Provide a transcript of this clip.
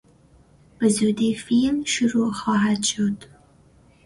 به زودی فیلم شروع خواهد شد.